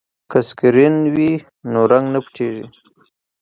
که سکرین وي نو رنګ نه پټیږي.